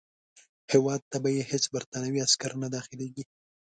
هیواد ته به یې هیڅ برټانوي عسکر نه داخلیږي.